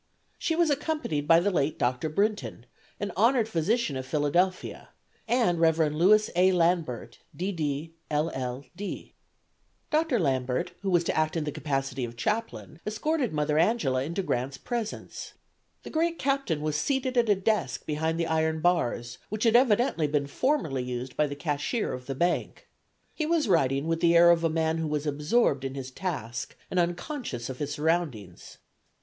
She was accompanied by the late Dr. Brinton, an honored physician of Philadelphia, and Rev. Louis A. Lambert, D. D., LL. D. [Illustration: LEE, JACKSON AND BEAUREGARD.] Dr. Lambert, who was to act in the capacity of chaplain, escorted Mother Angela into Grant's presence. The great Captain was seated at a desk behind the iron bars, which had evidently been formerly used by the cashier of the bank. He was writing with the air of a man who was absorbed in his task and unconscious of his surroundings.